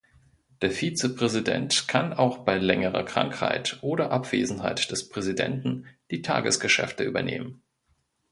Der Vizepräsident kann auch bei längerer Krankheit oder Abwesenheit des Präsidenten die Tagesgeschäfte übernehmen.